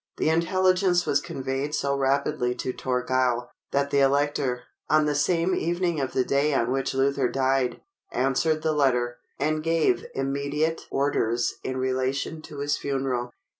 The intelligence was conveyed so rapidly to Torgau, that the Elector, on the same evening of the day on which Luther died, answered the letter, and gave immediate orders in relation to his funeral.